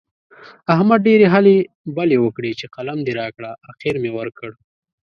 احمد ډېرې هلې بلې وکړې چې قلم دې راکړه؛ اخېر مې ورکړ.